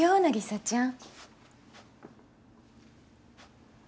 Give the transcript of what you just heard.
凪沙ちゃん